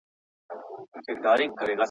هغه واحد ميتود اړين وباله.